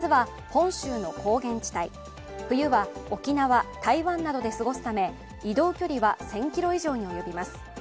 夏は本州の高原地帯、冬は沖縄、台湾などで過ごすため移動距離は１０００ｋｍ以上に及びます。